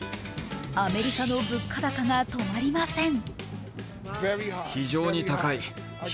アメリカの物価高が止まりません。